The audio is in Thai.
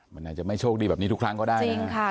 มันอาจจะไม่โชคดีแบบนี้ทุกครั้งก็ได้นะครับ